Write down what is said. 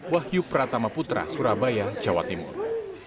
wahyu pratama putra surabaya jawa timur